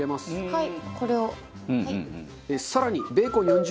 はい。